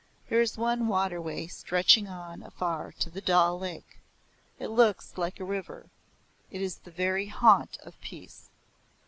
There is one waterway stretching on afar to the Dal Lake. It looks like a river it is the very haunt of peace.